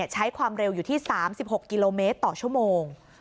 ใช้ความเร็วอยู่ที่๓๖กิโลเมตรต่อชั่วโมง